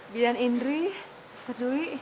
bidan indri sester dewi